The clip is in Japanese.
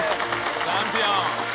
チャンピオン！